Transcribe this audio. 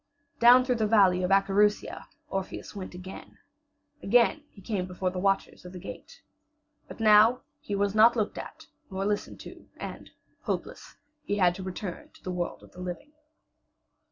Down through the valley of Acherusia Orpheus went again. Again he came before the watchers of the gate. But now he was not looked at nor listened to, and, hopeless, he had to return to the world of the living.